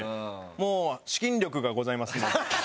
もう資金力がございますので。